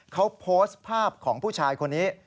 เขาโพสต์ภาพของผู้ชายคนนี้